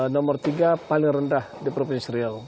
nomor tiga paling rendah di provinsi riau